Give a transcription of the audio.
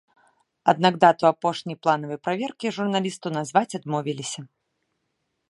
Аднак дату апошняй планавай праверкі журналісту назваць адмовіліся.